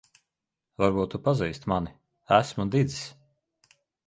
Varbūt tu pazīsti mani. Esmu Didzis.